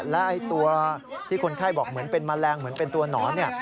และตัวที่คนไข้บอกเหมือนเป็นแมลงเหมือนเป็นตัวหนอนเนี่ย